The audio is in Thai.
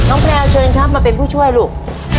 แพลวเชิญครับมาเป็นผู้ช่วยลูก